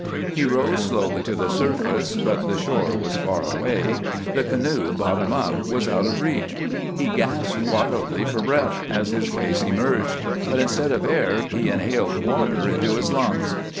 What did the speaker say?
He rose slowly to the surface, but the shore was far away, the canoe, bottom up, was out of reach. He gasped wildly for breath as his face emerged, but instead of air he inhaled water into his lungs.